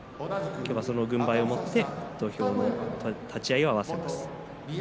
今日はその軍配を持って立ち合いを合わせます。